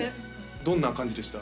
どんな感じでした？